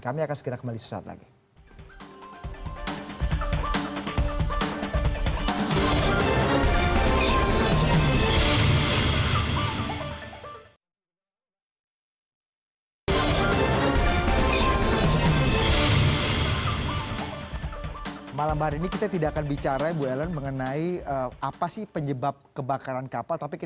kami akan segera kembali suatu saat lagi